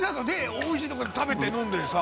美味しいとこで食べて飲んでさ」